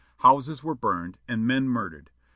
Houses were burned, and men murdered.